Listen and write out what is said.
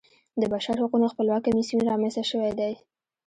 د بشرحقونو خپلواک کمیسیون رامنځته شوی دی.